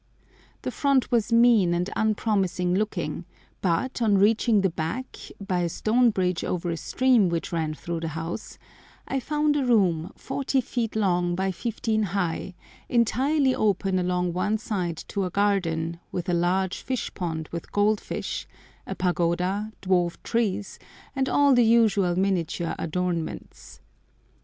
The front was mean and unpromising looking, but, on reaching the back by a stone bridge over a stream which ran through the house, I found a room 40 feet long by 15 high, entirely open along one side to a garden with a large fish pond with goldfish, a pagoda, dwarf trees, and all the usual miniature adornments.